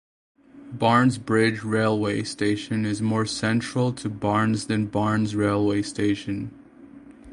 Barnes Bridge railway station is more central to Barnes than Barnes railway station.